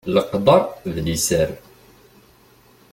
Leqder d liser.